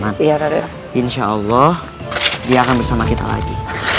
hai hai insya allah dia akan bersama kita lagi